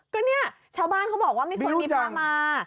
ก็เนี่ยชาวบ้านเขาบอกว่าไม่ควรมีพระมา